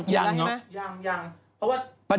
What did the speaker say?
การเปลี่ยน